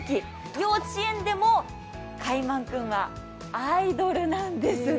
幼稚園でもカイマン君はアイドルなんですね。